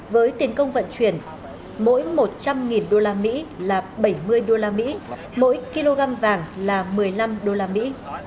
với tiền công vận chuyển mỗi một trăm linh đô la mỹ là bảy mươi đô la mỹ mỗi kg vàng là một mươi năm đô la mỹ